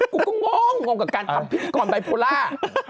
กูก็ง้องง้องกับการทำพิธีกรใบโพล่า